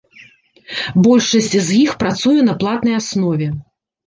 Большасць з іх працуе на платнай аснове.